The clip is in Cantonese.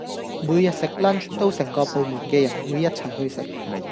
每日食 lunch 都成個部門嘅人會一齊去食